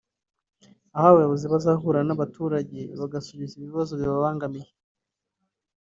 Aho abayobozi bazahura n’abaturage bagasubiza ibibazo bibabangamiye